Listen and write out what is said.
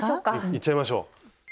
いっちゃいましょう！